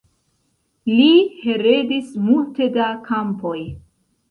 Li heredis multe da kampoj.